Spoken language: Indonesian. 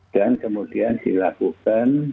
dan kemudian dilakukan